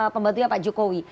pembantunya pak jokowi